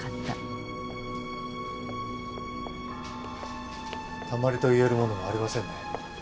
たまりと言えるものはありませんね。